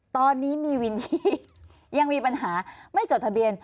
ตอนนี้มีวินที่ยังมีปัญหาไม่จดทะเบียน